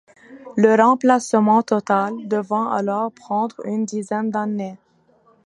Le remplacement total devant alors prendre une dizaine d'années.